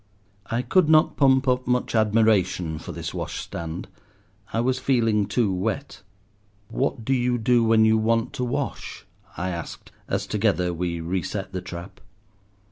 I could not pump up much admiration for this washstand; I was feeling too wet. "What do you do when you want to wash?" I asked, as together we reset the trap.